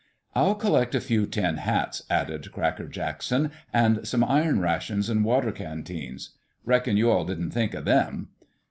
"I'll collect a few tin hats," added Cracker Jackson, "and some iron rations and water canteens. Reckon you all didn't think of them."